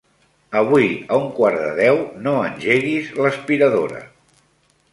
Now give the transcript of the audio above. Avui a un quart de deu no engeguis l'aspiradora.